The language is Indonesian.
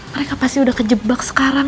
mereka pasti udah kejebak sekarang